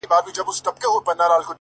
د ميني ننداره ده’ د مذهب خبره نه ده’